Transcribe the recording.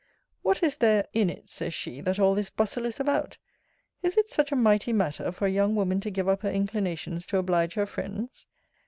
What is there in it, says she, that all this bustle is about? Is it such a mighty matter for a young woman to give up her inclinations to oblige her friends?